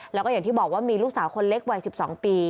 แล้วก็อย่างที่บอกว่ามีลูกสาวคนเล็กวัย๑๒ปี